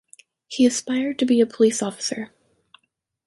He aspired to be a police officer.